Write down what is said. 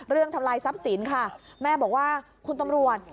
ทำลายทรัพย์สินค่ะแม่บอกว่าคุณตำรวจ